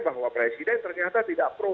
bahwa presiden ternyata tidak pro